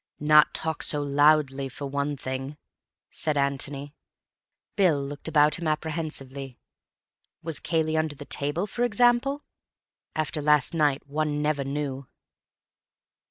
"Not talk so loudly, for one thing," said Antony. Bill looked about him apprehensively. Was Cayley under the table, for example? After last night one never knew.